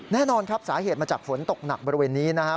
แน่นอนครับสาเหตุมาจากฝนตกหนักบริเวณนี้นะครับ